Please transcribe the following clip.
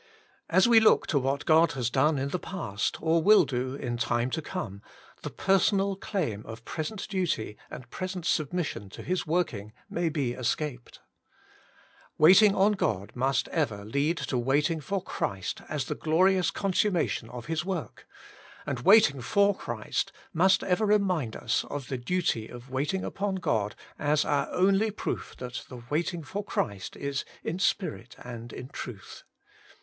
As we look to what God has done in the past, or will do in time to come, the personal claim of present duty and present submission to His working may be escaped. Waiting on God must ever lead to waiting for Christ as the glorious consummation of His work ; and waiting for Christ, must ever remind us of the duty of waiting upon God as our only proof that the waiting for Christ is in spirit and in truth.